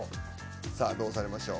さあどうされましょう。